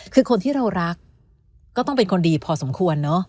คือคนที่เรารักก็ต้องเป็นคนดีพอสมควรเนอะ